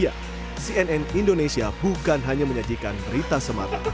ya cnn indonesia bukan hanya menyajikan berita semata